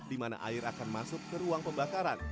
di mana air akan masuk ke ruang pembakaran